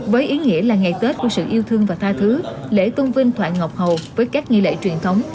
với ý nghĩa là ngày tết của sự yêu thương và tha thứ lễ tôn vinh thoại ngọc hầu với các nghi lễ truyền thống